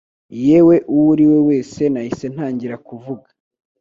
Yewe uwo uri we wese nahise ntangira kuvuga